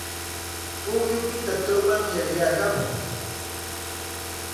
Pukyupita turmanyay yarqumun.